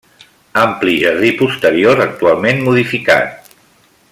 Ampli jardí posterior actualment modificat.